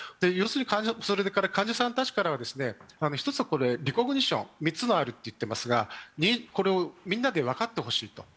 それから患者さんたちからはリコグニションが３つあると言われていますがこれをみんなで分かってほしいと。